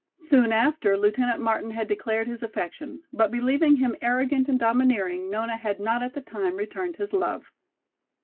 Soon after Lieutenant Martin had declared his affection, but believing him arrogant and domineering, Nona had not at that time returned his love.